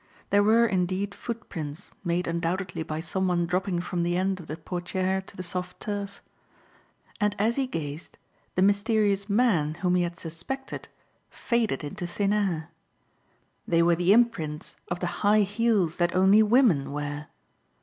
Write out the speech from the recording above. There were indeed footprints made undoubtedly by some one dropping from the end of the portiere to the soft turf. And as he gazed, the mysterious man whom he had suspected faded into thin air. They were the imprints of the high heels that only women wear!